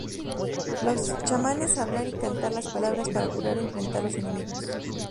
Los chamanes hablar y cantar las palabras para curar o enfrentar los enemigos.